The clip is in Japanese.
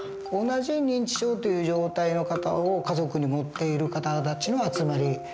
同じ認知症という状態の方を家族に持っている方たちの集まり